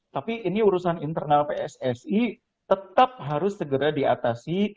tapi ini urusan internal pssi tetap harus segera diatasi